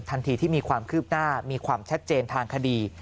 ทันทีที่มีความคืบหน้ามีความชัดเจนทางคดี